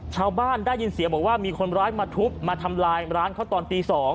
ได้ยินเสียงบอกว่ามีคนร้ายมาทุบมาทำลายร้านเขาตอนตี๒